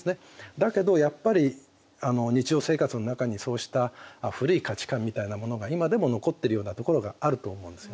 だけどやっぱり日常生活の中にそうした古い価値観みたいなものが今でも残ってるようなところがあると思うんですよね。